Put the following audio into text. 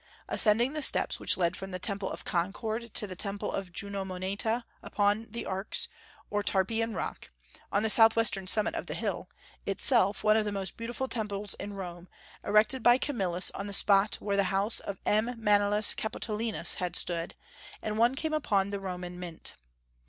Ascending the steps which led from the Temple of Concord to the Temple of Juno Moneta upon the Arx, or Tarpeian Rock, on the southwestern summit of the hill, itself one of the most beautiful temples in Rome, erected by Camillus on the spot where the house of M. Manlius Capitolinus had stood, and one came upon the Roman mint.